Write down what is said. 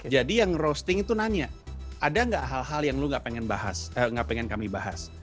jadi yang roasting itu nanya ada nggak hal hal yang lu nggak pengen bahas nggak pengen kami bahas